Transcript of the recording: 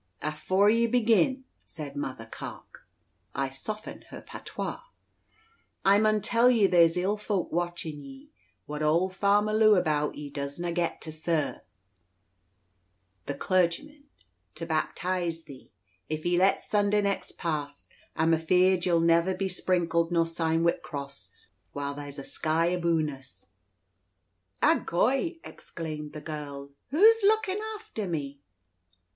"Afoore ye begin," said Mother Carke (I soften her patois), "I mun tell ye there's ill folk watchin' ye. What's auld Farmer Lew about, he doesna get t' sir" (the clergyman) "to baptise thee? If he lets Sunda' next pass, I'm afeared ye'll never be sprinkled nor signed wi' cross, while there's a sky aboon us." "Agoy!" exclaims the girl, "who's lookin' after me?"